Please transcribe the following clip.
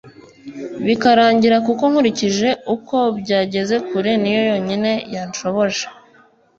bikarangira kuko nkurikije uko byageze kure niyo yonyine yanshoboje